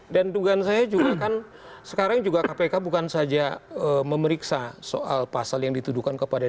dan dugaan saya juga kan sekarang juga kpk bukan saja memeriksa soal pasal yang dituduhkan kepada dia